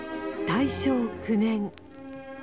大正９年。